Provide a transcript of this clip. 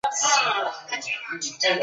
阮福澜。